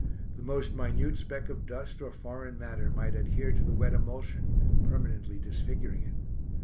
The most minute speck of dust or foreign matter might adhere to the wet emulsion permanently disfiguring it.